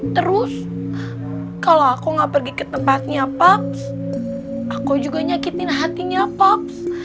terus kalau aku nggak pergi ke tempatnya paps aku juga nyakitin hatinya paps